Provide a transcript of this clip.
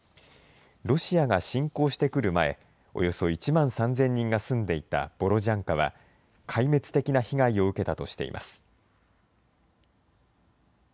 ロシアが侵攻してくる前、およそ１万３０００人が住んでいたボロジャンカは、壊滅的な被害を受けたとしています。